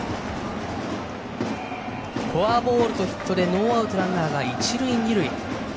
フォアボールとヒットでノーアウト、ランナー、一塁二塁。